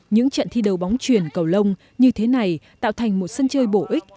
những trận thi đấu bóng truyền cầu lông như thế này tạo thành một sân chơi bổ ích